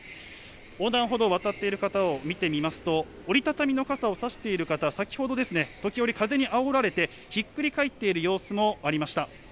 横断歩道を渡っている方を見てみますと、折り畳みの傘を差している方、先ほど時折風にあおられて、ひっくり返っている様子もありました。